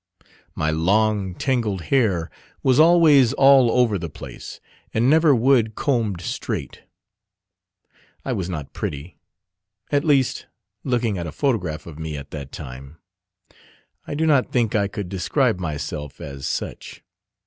My long tangled hair was always all over the place, and never would combed straight. I was not pretty at least, looking at a photograph of me at that time. I do not think I could describe myself as such.